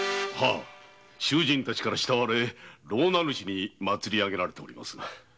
囚人たちから慕われ牢名主にまつりあげられております。